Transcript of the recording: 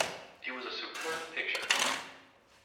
It was a superb picture.